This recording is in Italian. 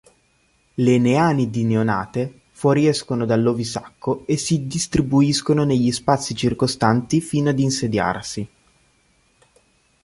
Le neanidi neonate fuoriescono dall'ovisacco e si distribuiscono negli spazi circostanti fino ad insediarsi.